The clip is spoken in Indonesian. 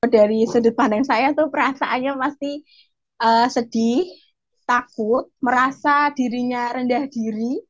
dari sedepan yang saya tuh perasaannya masih sedih takut merasa dirinya rendah diri